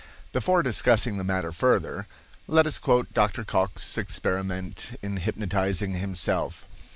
Before discussing the matter further, let us quote Dr. Cocke's experiment in hypnotizing himself.